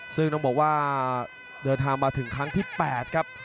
ซึ่งต้องบอกว่าเดินทางมาถึงครั้งที่๘ครับ